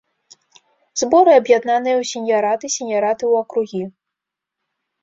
Зборы аб'яднаныя ў сеньяраты, сеньяраты ў акругі.